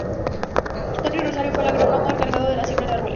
Tony Rosario fue el Agrónomo encargado de la siembra de árboles.